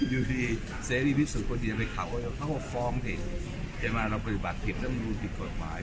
ดูดีเสร็จที่พิสูจน์คนเดียวไปข่าวว่าเขาฟ้องถี่แต่มันมีบริบัติผิดแล้วมันรู้ผิดกฎหมาย